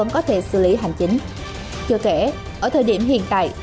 chưa kể ở thời điểm hiện tại